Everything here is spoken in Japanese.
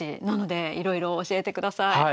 なのでいろいろ教えてください。